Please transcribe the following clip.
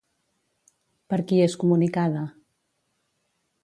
Per qui és comunicada?